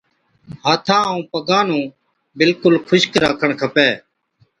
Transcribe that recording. هٿان ائُون پگان نُون بِلڪُل خُشڪ راکڻ کپَي،